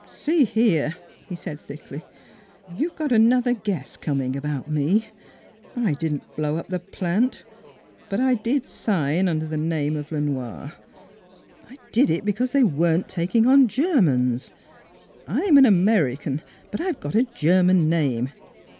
" See here !" he said thickly, " you've got an other guess coming about me. I didn't blow up the plant; but I did sign under the name of Le Noir. I did it because they weren't taking on NEIGHBORS 319 Germans. I'm an American, but I've got a Ger man name.